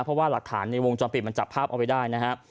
เพราะว่าหลักฐานในวงจรปิดมันจับภาพเอาไว้ได้นะครับ